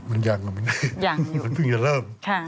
มันยังไม่ได้มันเพิ่งจะเริ่ม